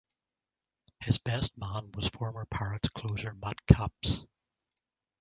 His best man was former Pirates closer Matt Capps.